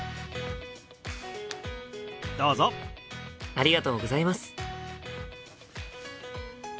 ありがとうございます。